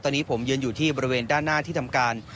ตอนนี้ผมยืนอยู่ที่บริเวณด้านหน้าที่ทำการ